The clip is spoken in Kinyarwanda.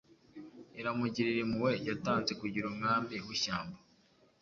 aramugirira impuhwe Yatanze kugira umwami wishyamba